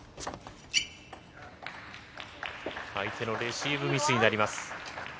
相手のレシーブミスになります。